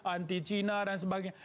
anti cina dan sebagainya